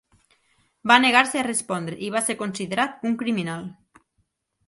Va negar-se a respondre i va ser considerat un criminal.